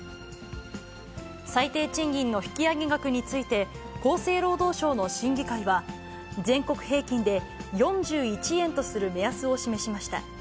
最低賃金の引き上げ額について、厚生労働省の審議会は、全国平均で４１円とする目安を示しました。